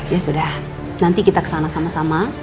ya sudah nanti kita kesana sama sama